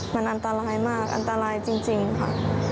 มันอันตรายมากอันตรายจริงค่ะ